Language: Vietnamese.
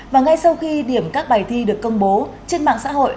và ngay sau khi điểm các bài thi được công bố